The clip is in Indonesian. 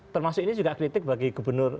termasuk ini juga kritik bagi gubernur